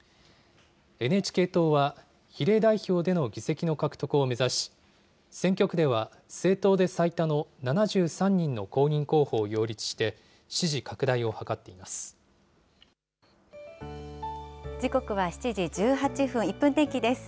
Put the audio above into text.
ＮＨＫ党は、比例代表での議席の獲得を目指し、選挙区では政党で最多の７３人の公認候補を擁立して、支持拡大を図っています。